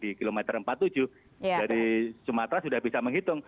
di kilometer empat puluh tujuh dari sumatera sudah bisa menghitung